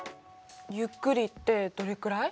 ゆっくりってどれくらい？